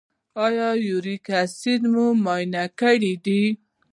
ایا یوریک اسید مو معاینه کړی دی؟